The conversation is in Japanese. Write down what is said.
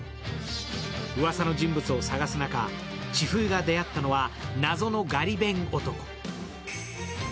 うわさの人物を探す中、千冬が出会ったのは、謎のガリ勉男。